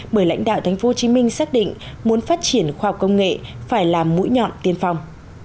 bởi lãnh đạo tp hcm xác định muốn phát triển khoa học công nghệ phải là mũi nhọn tiên phong